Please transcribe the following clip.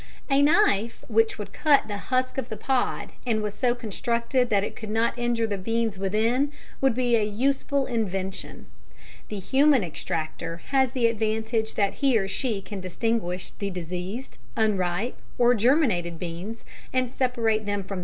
A knife which would cut the husk of the pod and was so constructed that it could not injure the beans within, would be a useful invention. The human extractor has the advantage that he or she can distinguish the diseased, unripe or germinated beans and separate them from the good ones.